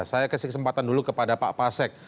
saya kasih kesempatan dulu kepada pak pasek